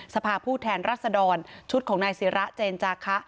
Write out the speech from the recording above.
สภาพผู้แทนรัศดรชุดของนายศิระเจนจาคะ